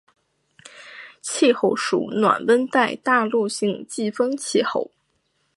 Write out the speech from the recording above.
气候属暖温带大陆性季风气候。